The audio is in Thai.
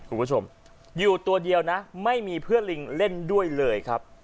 คุณผู้ชมอยู่ตัวเดียวนะไม่มีเพื่อนลิงเล่นด้วยเลยครับ